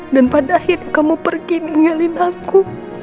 dan pada akhirnya kamu pergi ninggalin aku